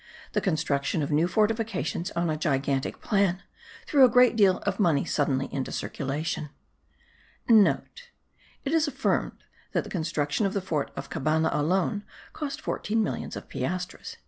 The construction of new fortifications on a gigantic plan* threw a great deal of money suddenly into circulation (* It is affirmed that the construction of the fort of Cabana alone cost fourteen millions of piastres.)